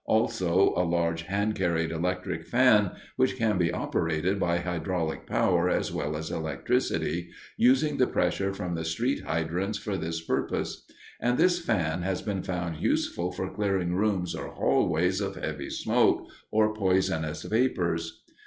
Also a large hand carried electric fan, which can be operated by hydraulic power as well as electricity, using the pressure from the street hydrants for this purpose; and this fan has been found useful for clearing rooms or hallways of heavy smoke or poisonous vapors.